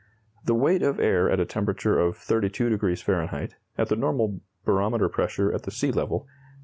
The weight of air at a temperature of 32° Fahr., at the normal barometer pressure at the sea level (29.